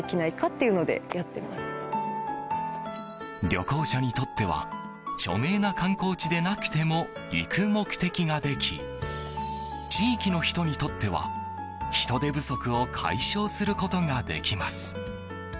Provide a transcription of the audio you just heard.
旅行者にとっては著名な観光地でなくても行く目的ができ地域の人にとっては、人手不足を解消することができます。